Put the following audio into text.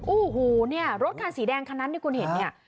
โอ้โหเนี่ยรถคันสีแดงคันนั้นที่คุณเห็นเนี่ย